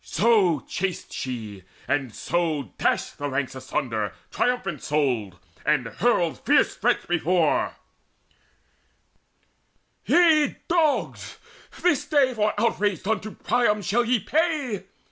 So chased she, and so dashed the ranks asunder Triumphant souled, and hurled fierce threats before: "Ye dogs, this day for evil outrage done To Priam shall ye pay!